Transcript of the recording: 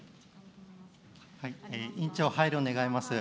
委員長、配慮願います。